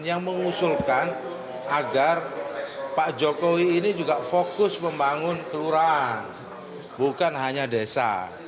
yang mengusulkan agar pak jokowi ini juga fokus membangun kelurahan bukan hanya desa